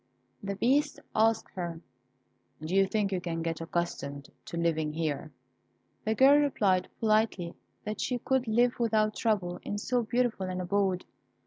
The Beast asked her, "Do you think you can get accustomed to living here?" The girl replied, politely, that she could live without trouble in so beautiful an abode.